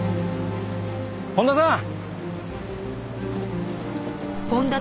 本田さん！